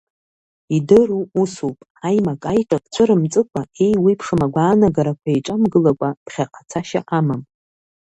Идыру усуп, аимак-аиҿак цәырымҵыкәа, еиуеиԥшым агәаанагарақәа еиҿамгылакәа, ԥхьаҟа цашьа амам.